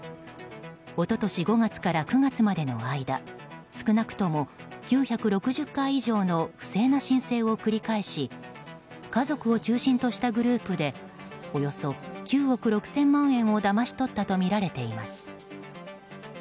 一昨年５月から９月までの間少なくとも９６０回以上の不正な申請を繰り返し家族を中心としたグループでおよそ９億６０００万円をだまし取ったとみられています。